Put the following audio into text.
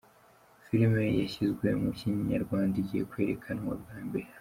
film yashyizwe mu Kinyarwanda igiye kwerekanwa bwa mbere